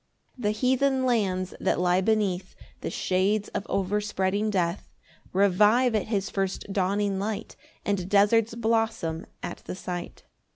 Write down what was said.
5 The heathen lands that lie beneath The shades of overspreading death, Revive at his first dawning light, And deserts blossom at the sight.